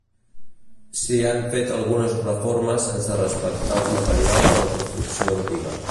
S'hi han fet algunes reformes sense respectar els materials de la construcció antiga.